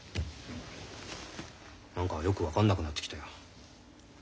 何かよく分かんなくなってきたよ。